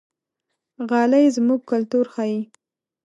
غالۍ زموږ کلتور ښيي.